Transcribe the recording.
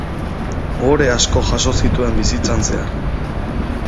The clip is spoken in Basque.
Ohore asko jaso zituen bizitzan zehar.